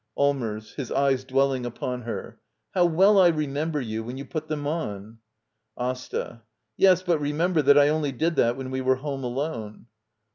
Allmers. [His eyes dwelling upon her.] How well I remember you, when you put them on. AsTA. Yes, but remember that I only did that when we were home alone.